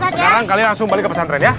sekarang kalian langsung balik ke pesantren ya